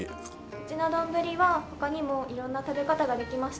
うちのどんぶりは他にも色んな食べ方ができまして。